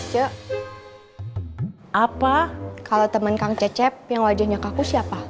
apa kalau teman kang cecep yang wajahnya kaku siapa